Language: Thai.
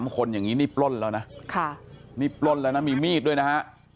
คนอย่างนี้นี่ปล้นแล้วนะนี่ปล้นแล้วนะมีมีดด้วยนะฮะ